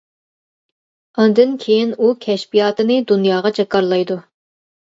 ئاندىن كېيىن ئۇ كەشپىياتىنى دۇنياغا جاكارلايدۇ.